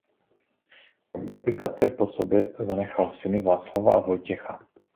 Krom několika dcer po sobě zanechal syny Václava a Vojtěcha.